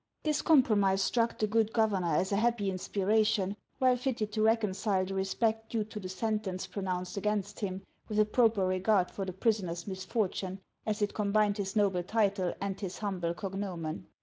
This compromise struck the good governor as a happy inspiration, well fitted to reconcile the respect due to the sentence pronounced against him, with a proper regard for the prisoner's misfortune, as it combined his noble title and his humble cognomen.